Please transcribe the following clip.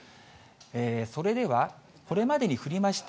それでは、これまでに降りました